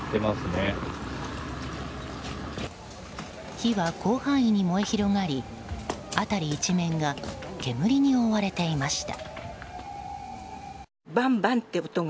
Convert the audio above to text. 火は広範囲に燃え広がり辺り一面が煙に覆われていました。